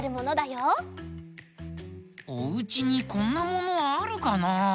おうちにこんなものあるかな？